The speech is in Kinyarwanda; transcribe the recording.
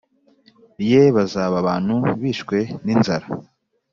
Ye bazaba abantu bishwe n inzara